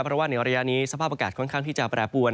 เรื่องนี้บรรยาการประกาศค่อนข้างจะแปรปวน